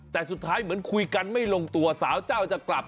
แต่สุดท้ายเหมือนคุยกันไม่ลงตัวสาวเจ้าจะกลับ